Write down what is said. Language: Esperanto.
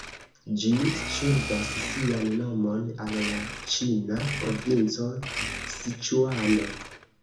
Ĝi ŝuldas sian nomon al la ĉina provinco Siĉuano.